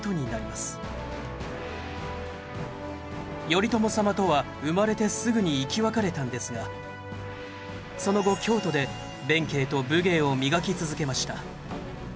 頼朝様とは生まれてすぐに生き別れたんですがその後京都で弁慶と武芸を磨き続けました。